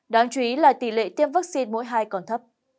đáng chú ý là tỷ lệ tiêm vaccine mỗi hai còn thấp